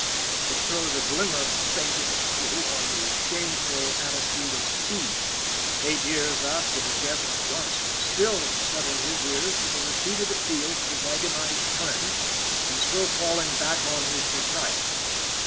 It throws a glimmer, faint it is true, on the shameful attitude of Speed, eight years after the death of Johnson still shutting his ears to the repeated appeals of his agonized friend, and still falling back on his propriety.